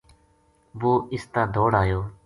وہ اس تا دوڑ آیو